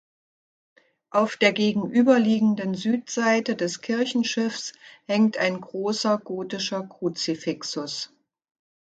Auf der gegenüberliegenden Südseite des Kirchenschiffs hängt ein großer gotischer Kruzifixus.